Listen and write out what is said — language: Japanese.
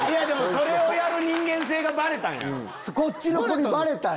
それをやる人間性がバレたんやろ。